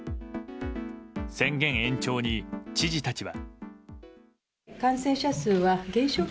宣言延長に、知事たちは。